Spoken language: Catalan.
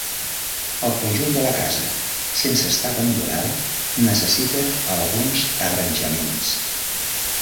El conjunt de la casa, sense estar abandonada, necessita alguns arranjaments.